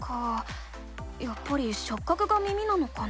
やっぱりしょっ角が耳なのかな？